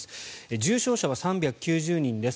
重症者は３９０人です。